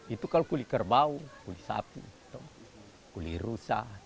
itu kalau kulit kerbau kulit sapi kulit rusa